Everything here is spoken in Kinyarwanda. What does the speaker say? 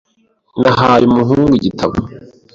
Nahaye umuhungu igitabo .